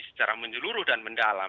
secara menyeluruh dan mendalam